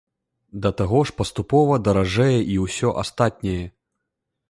Да таго ж паступова даражэе і ўсё астатняе.